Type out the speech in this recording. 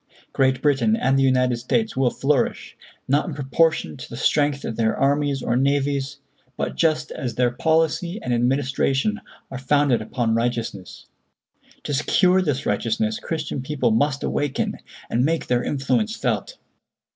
Great Britain and the United States will flourish, not in proportion to the strength of their armies or navies, but just as their policy and administration are founded upon righteousness; to secure this righteousness Christian people must awaken, and make their influence felt.